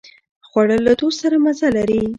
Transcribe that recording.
خوړل له دوست سره مزه لري